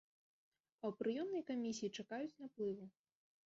А ў прыёмнай камісіі чакаюць наплыву.